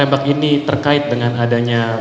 tembak ini terkait dengan adanya